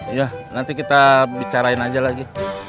iya nanti kita bicarain aja lagi